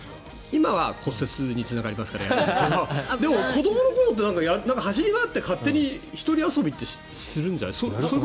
今は骨折するリスクがありますからしませんけどでも子どもの頃って走り回って勝手に１人遊びってするんじゃない？